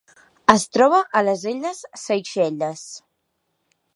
Es troba a les Illes Seychelles.